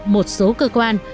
một số cơ quan